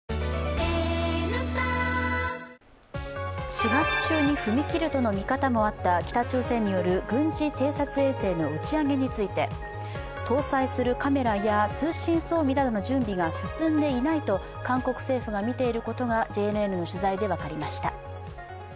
４月中に踏み切るとの見方もあった北朝鮮による軍事偵察衛星の打ち上げについて、搭載するカメラや通信装備などの準備が進んでいないと韓国政府が見ていることがＪＮＮの取材で分かりました。